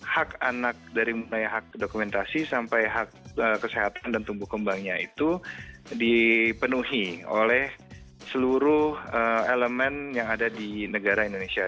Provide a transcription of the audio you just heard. hak anak dari mulai hak dokumentasi sampai hak kesehatan dan tumbuh kembangnya itu dipenuhi oleh seluruh elemen yang ada di negara indonesia